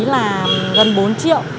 là gần bốn triệu